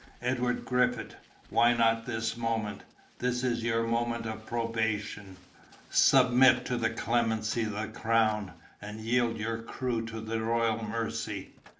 "Edward Griffith, why not this moment? This is your moment of probation—submit to the clemency of the crown, and yield your crew to the royal mercy!